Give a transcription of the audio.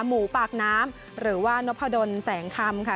หมูปากน้ำหรือว่านพดลแสงคำค่ะ